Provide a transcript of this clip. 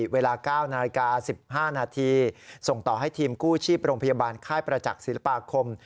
เวลา๙นาฬิกา๑๕นาทีส่งต่อให้ทีมกู้ชีพโรงพยาบาลค่ายประจักษ์ศิลปาคม